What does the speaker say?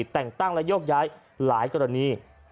แต่งตั้งและโยกย้ายหลายกรณี